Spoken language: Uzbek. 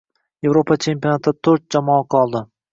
Yevropa chempionatida to‘rt jamoa qoldi.